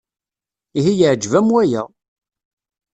Ihi yeɛjeb-am waya?